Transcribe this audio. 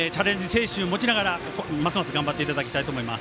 精神を持ちながらますます頑張っていただきたいと思います。